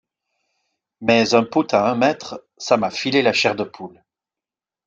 Mais un putt à un mètre, ça m'a filé la chair de poule.